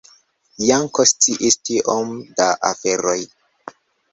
Janko sciis tiom da aferoj!